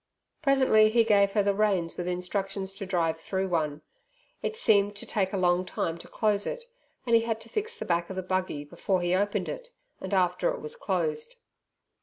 Presently he gave her the reins with instructions to drive through one. It seemed to take a long time to close it, and he had to fix the back of the buggy before he opened it, and after it was closed.